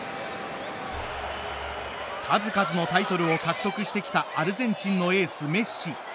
数々のタイトルを獲得してきたアルゼンチンのエース、メッシ。